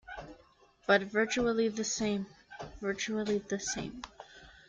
But virtually the same, virtually the same.